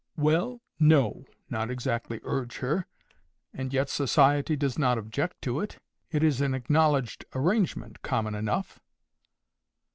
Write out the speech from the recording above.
"Well, no; not exactly urge her. And yet society does not object to it. It is an acknowledged arrangement, common enough."